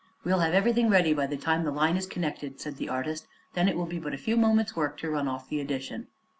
"We'll have everything ready by the time the line is connected," said the artist. "Then it will be but a few moments' work to run off the edition."